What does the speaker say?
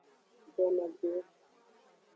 Gbenegbeo.